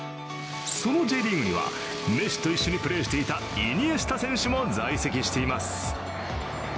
そのＪリーグにはメッシと一緒にプレーしていたイニエスタ選手も在籍しています。